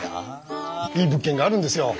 いい物件があるんですよ。